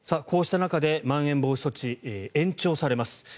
こうした中でまん延防止措置、延長されます。